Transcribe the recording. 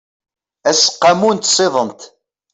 aseqqamu n tsiḍent